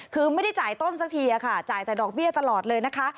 คือไม่ได้จ่ายต้นสักทีค่ะจ่ายแต่ดอกเบี้ยตลอดเลยนะคะ